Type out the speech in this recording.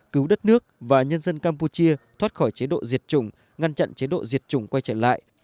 cứu đất nước và nhân dân campuchia thoát khỏi chế độ diệt chủng ngăn chặn chế độ diệt chủng quay trở lại